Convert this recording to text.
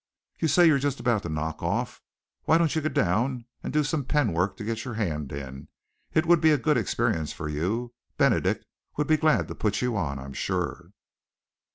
You say you're just about to knock off. Why don't you go down and do some pen work to get your hand in? It would be a good experience for you. Benedict would be glad to put you on, I'm sure."